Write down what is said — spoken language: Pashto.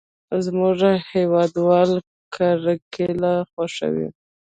زموږ هېوادوال کرکېله خوښوي.